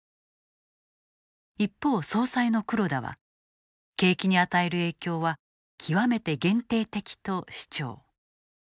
一方、総裁の黒田は景気に与える影響は極めて限定的と主張。